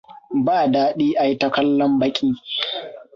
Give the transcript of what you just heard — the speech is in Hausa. Ba daɗi a yi ta kallon baƙi.